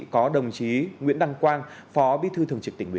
có đồng chí nguyễn đăng quang phó bí thư thường trực tỉnh ủy